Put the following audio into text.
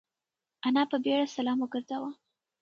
انا په بيړه سلام وگرځاوه.